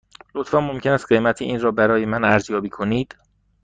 لطفاً ممکن است قیمت این را برای من ارزیابی کنید؟